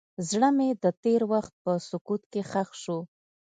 زړه مې د تېر وخت په سکوت کې ښخ شو.